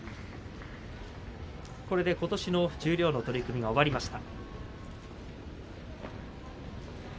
これでことしの十両の取組が終わりました。